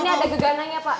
ini ada gegananya pak